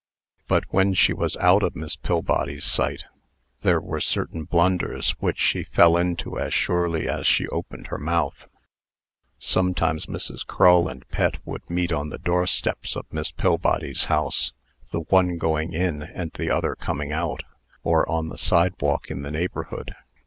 But when she was out of Miss Pillbody's sight, there were certain blunders which she fell into as surely as she opened her mouth. Sometimes Mrs. Crull and Pet would meet on the doorsteps of Miss Pillbody's house the one going in and the other coming out or on the sidewalk in the neighborhood.